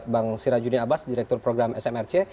bang sirajudin abbas direktur program smrc